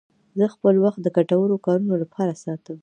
زه خپل وخت د ګټورو کارونو لپاره ساتم.